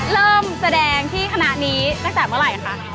เริ่มแสดงที่คณะนี้ตั้งแต่เมื่อไหร่คะ